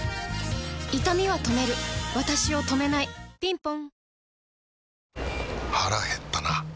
いたみは止めるわたしを止めないぴんぽん